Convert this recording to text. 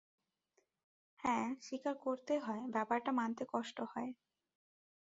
হ্যাঁ, স্বীকার করতেই হয়, ব্যাপারটা মানতে কষ্ট হয়।